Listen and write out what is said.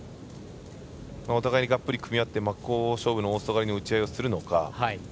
お互いにがっぷり組み合って真っ向勝負の大外刈りの打ち合いをするのか。